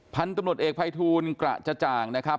พันธุ์ตำรวจเอกภัยทูลกระจ่างนะครับ